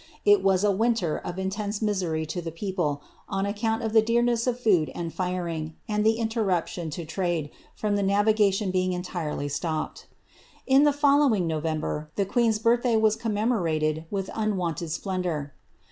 It was a winter of intense misery to the people, on account of the deamess of food and firing, and the interruption to trade, from the navigation being entirely stopped. Ill the following November, the queen's birth day was commemorated with unwonted splendour.